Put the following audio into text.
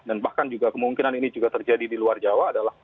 dan bahkan juga kemungkinan ini juga terjadi di luar jawa adalah